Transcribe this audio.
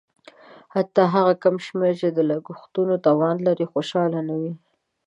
حتی هغه کم شمېر چې د لګښتونو توان لري خوشاله نه وي.